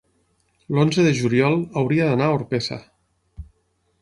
L'onze de juliol hauria d'anar a Orpesa.